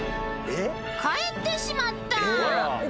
［帰ってしまった］